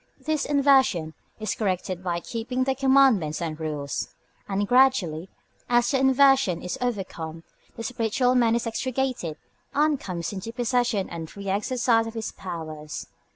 This inversion is corrected by keeping the Commandments and Rules, and gradually, as the inversion is overcome, the spiritual man is extricated, and comes into possession and free exercise of his powers.